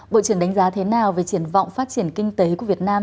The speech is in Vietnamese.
bộ trưởng đánh giá thế nào về triển vọng phát triển kinh tế của việt nam